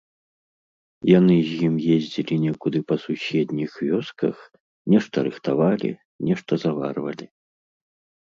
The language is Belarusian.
Яны з ім ездзілі некуды па суседніх вёсках, нешта рыхтавалі, нешта заварвалі.